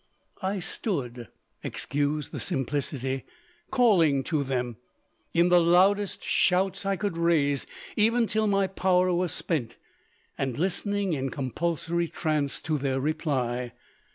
I stood (excuse the simplicity) calling to them, in the loudest shouts I could raise, even till my power was spent, and listening in compulsory trance to their reply.